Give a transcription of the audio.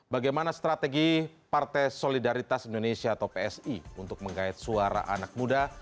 bagaimana strategi partai solidaritas indonesia atau psi untuk menggait suara anak muda